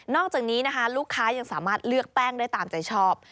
อกจากนี้นะคะลูกค้ายังสามารถเลือกแป้งได้ตามใจชอบ